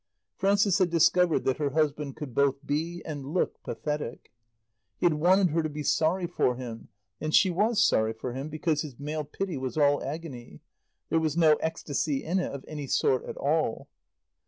Frances had discovered that her husband could both be and look pathetic. He had wanted her to be sorry for him and she was sorry for him, because his male pity was all agony; there was no ecstasy in it of any sort at all.